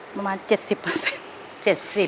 ประมาณ๗๐เปอร์เซ็นต์